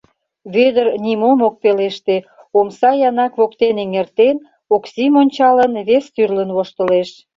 Вӧдыр нимом ок пелеште, омса янак воктен эҥертен, Оксим ончалын, вес тӱрлын воштылеш.